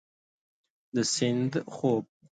د سیند خوب